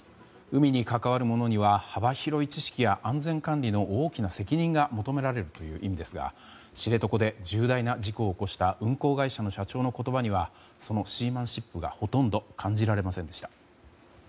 海に関わるものには幅広い知識や安全管理の大きな責任が求められるという意味ですが知床で重大な事故を起こした運航会社の社長の言葉にはそのシーマンシップがほとんど感じられませんでした。